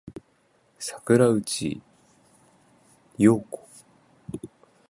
桜内梨子